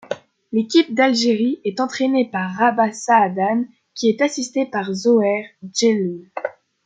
L'équipe d'Algérie est entraînée par Rabah Saâdane qui est assisté par Zoheïr Djelloul.